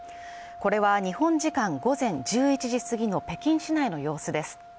これは日本時間午前１１時過ぎの北京市内の様子です